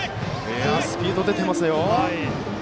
スピード出ていますよ。